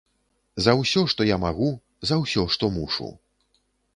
За ўсё, што я магу, за ўсё, што мушу.